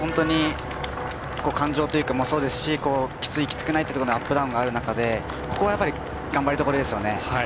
感情というのもそうですしきつい、きつくないというところのアップダウンがある中でここはやはり頑張りどころですね。